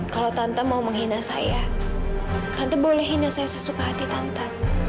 kalau tante mau menghina saya tante bolehin yang saya sesuka hati tante